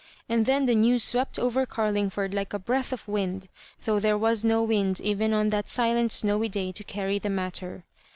And then the news swept over Garlingford like a breath of wind, though there was no wind even on that silent snowy day to carry the matter.